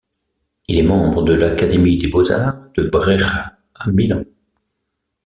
Il est membre de l'Académie des beaux-arts de Brera à Milan.